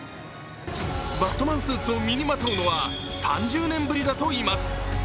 バットマンスーツを身にまとうのは３０年ぶりだといいます。